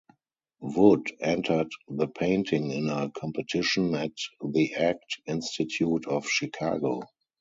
Wood entered the painting in a competition at the Art Institute of Chicago.